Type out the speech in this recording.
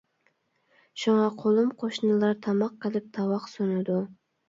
شۇڭا قولۇم-قوشنىلار تاماق قىلىپ، تاۋاق سۇنىدۇ.